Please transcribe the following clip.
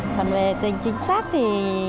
còn về tình chính xác thì